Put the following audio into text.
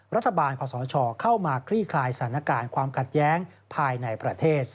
รัฐบาลพศเข้ามาคลี่คลายสถานการณ์ความขัดแย้งภายในประเทศ